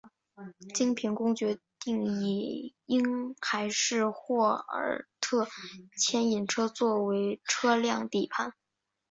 经评估决定以婴孩式霍尔特牵引车作为车辆底盘。